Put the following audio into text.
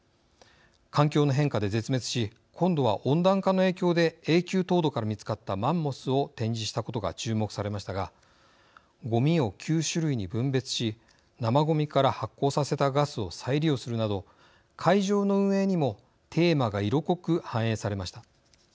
環境の変化で絶滅し今度は温暖化の影響で永久凍土から見つかったマンモスを展示したことが注目されましたがごみを９種類に分別し生ごみから発酵させたガスを再利用するなど会場の運営にもテーマが色濃く反映されました。